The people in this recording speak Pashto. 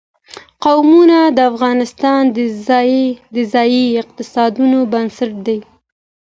قومونه د افغانستان د ځایي اقتصادونو بنسټ دی.